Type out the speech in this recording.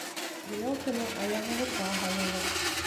Грелканы аяғығыҙға һалығыҙ